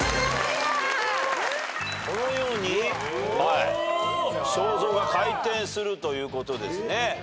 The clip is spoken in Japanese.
このように肖像が回転するということですね。